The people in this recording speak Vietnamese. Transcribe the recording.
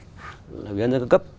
ủy ban nhân dân cao cấp